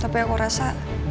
tapi aku rasa